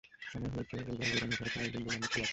সময় হয়েছে, এইবার বউরানী ঘরে ফিরে আসবেন বলে আমরা চেয়ে আছি।